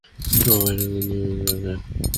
আজ সবাই রোগ নিয়ে বেঁচে আছে।